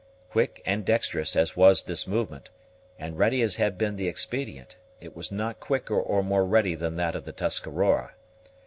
Quick and dexterous as was this movement, and ready as had been the expedient, it was not quicker or more ready than that of the Tuscarora.